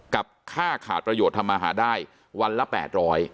กับค่าขาดประโยชน์ทำมาหาได้วันละ๘๐๐